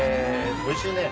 おいしいね。